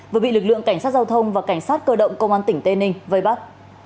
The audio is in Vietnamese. vừa bị lực lượng cảnh sát giao thông và cảnh sát cơ động công an tỉnh tây ninh vây bắt